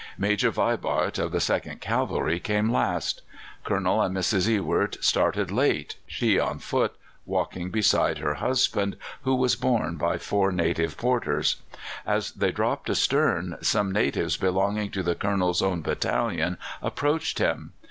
Major Vibart of the Second Cavalry came last. Colonel and Mrs. Ewart started late, she on foot, walking beside her husband, who was borne by four native porters. As they dropped astern some natives belonging to the Colonel's own battalion approached him.